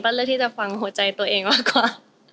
เลือกที่จะฟังหัวใจตัวเองมากกว่า